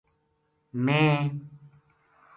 میں